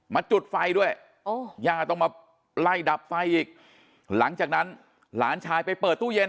จุดไฟด้วยย่าต้องมาไล่ดับไฟอีกหลังจากนั้นหลานชายไปเปิดตู้เย็น